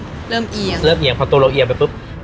เริ่มเอียงเริ่มเอียงพอตัวเราเอียงไปปุ๊บ